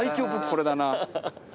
これだな。